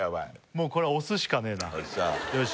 もうこれは押すしかねえなよっしゃよし